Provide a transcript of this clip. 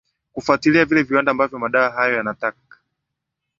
kufwatilia vile viwanda ambavyo madawa hayo yanata